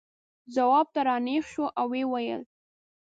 ځواب ته را نېغ شو او یې وویل.